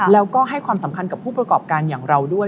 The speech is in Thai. แล้วก็ให้ความสำคัญกับผู้ประกอบการอย่างเราด้วย